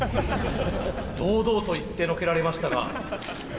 堂々と言ってのけられましたが。